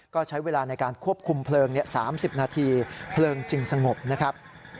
ก็ใช้เวลาในการควบคุมเพลิง๓๐นาทีเพลิงจึงสงบนะครับ